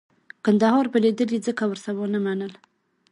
کندهار بېلېدل یې ځکه ورسره ونه منل.